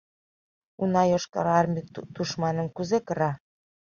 Уна Йошкар Армий тушманым кузе кыра!